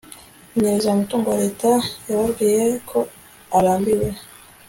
kunyereza umutungo wa leta yababwiye ko arambiwe